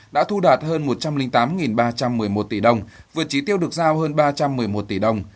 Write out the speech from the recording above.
đã thu đạt hơn một trăm linh tám ba trăm một mươi một tỷ đồng vượt trí tiêu được giao hơn ba trăm một mươi một tỷ đồng